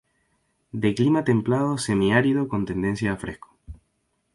De clima templado semiárido con tendencia a fresco.